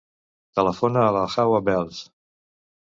Telefona a la Hawa Belles.